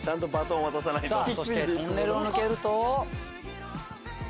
さぁそしてトンネルを抜けると。